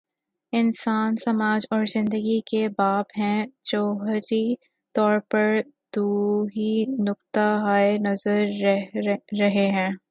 انسان، سماج اور زندگی کے باب میں، جوہری طور پر دو ہی نقطہ ہائے نظر رہے ہیں۔